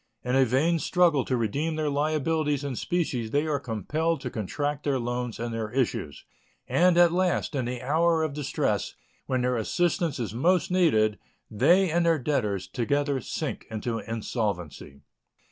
In a vain struggle to redeem their liabilities in specie they are compelled to contract their loans and their issues, and at last, in the hour of distress, when their assistance is most needed, they and their debtors together sink into insolvency.